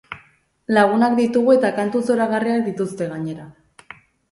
Lagunak ditugu eta kantu zoragarriak dituzte, gainera.